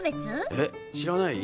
えっ知らない？